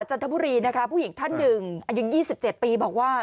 จันทบุรีนะคะผู้หญิงท่านหนึ่งอายุ๒๗ปีบอกว่า